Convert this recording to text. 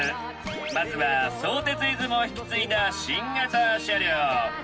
まずは相鉄イズムを引き継いだ新型車両。